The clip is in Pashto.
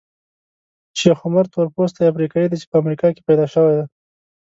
شیخ عمر تورپوستی افریقایي دی چې په امریکا کې پیدا شوی دی.